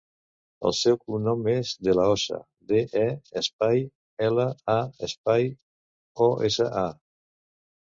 El seu cognom és De La Osa: de, e, espai, ela, a, espai, o, essa, a.